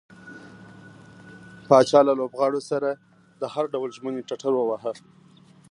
پاچا له لوبغاړو سره د هر ډول ژمنې ټټر واوهه.